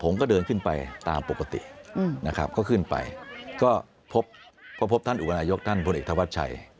ผมก็เดินขึ้นไปตามปกติก็ขึ้นไปก็พบท่านอุบันยกษ์ท่านพลเอกทวัดชัย